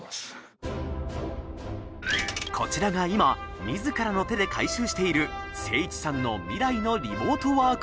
こちらが今自らの手で改修している誠一さんの未来のリモートワーク